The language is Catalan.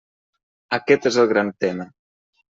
Aquest és el gran tema.